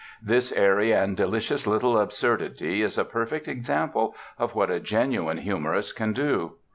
This airy and delicious little absurdity is a perfect example of what a genuine humorist can do.